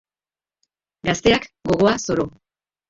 Gazteak gogoa zoro.